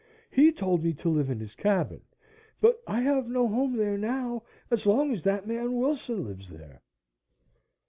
He told me to live in his cabin. But I have no home there now as long as that man Wilson lives there."